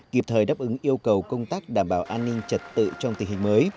kịp thời đáp ứng yêu cầu công tác đảm bảo an ninh trật tự trong tình hình mới